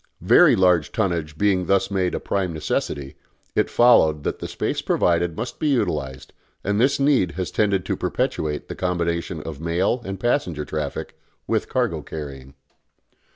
Very large tonnage being thus made a prime necessity, it followed that the space provided must be utilised, and this need has tended to perpetuate the combination of mail and passenger traffic with cargo carrying.